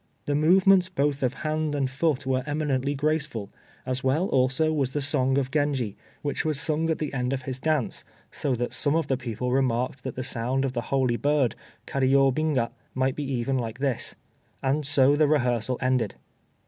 The movements both of hand and foot were eminently graceful; as well, also, was the song of Genji, which was sung at the end of his dance, so that some of the people remarked that the sound of the holy bird, Kariôbinga, might be even like this. And so the rehearsal ended.